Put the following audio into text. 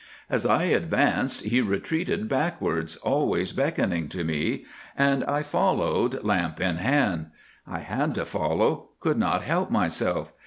"As I advanced he retreated backwards, always beckoning to me—and I followed lamp in hand. I had to follow—could not help myself.